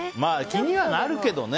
気にはなるけど。